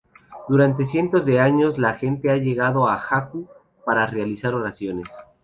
Durante cientos de años, la gente ha llegado a Haku para realizar oraciones.